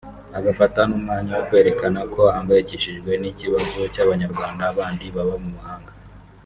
agafata n’umwanya wo kwerekana ko ahangayikishijwe n’ikibazo cy’Abanyarwanda bandi baba mu mahanga